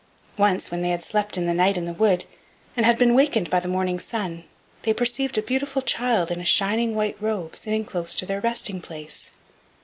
Once, when they had slept all night in the wood and had been wakened by the morning sun, they perceived a beautiful child in a shining white robe sitting close to their resting place.